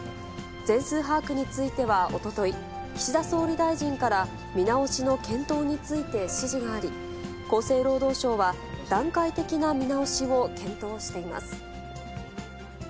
全数把握については、おととい、岸田総理大臣から、見直しの検討について指示があり、厚生労働省は、段階的な見直しを検討しています。